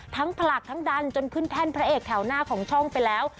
ผลักทั้งดันจนขึ้นแท่นพระเอกแถวหน้าของช่องไปแล้ว